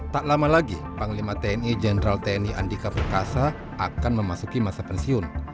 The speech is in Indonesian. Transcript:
tak lama lagi panglima tni jenderal tni andika perkasa akan memasuki masa pensiun